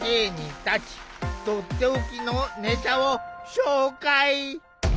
とっておきのネタを紹介！